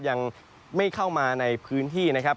ยังไม่เข้ามาในพื้นที่นะครับ